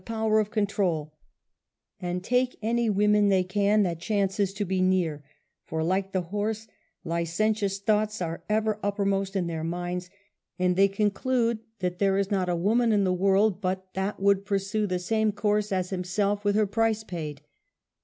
23 power of control, and take any women they can that j chances to be near, for like the horse, licentious' thoughts are ever uppermost in their minds, and they conclude that there is not a woman in the world but that would pursue the same course as himself with her price paid.